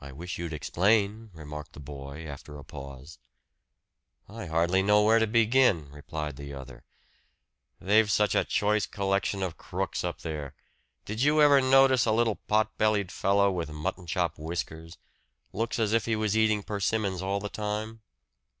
"I wish you'd explain," remarked the boy after a pause. "I hardly know where to begin," replied the other. "They've such a choice collection of crooks up there. Did you ever notice a little pot bellied fellow with mutton chop whiskers looks as if he was eating persimmons all the time?"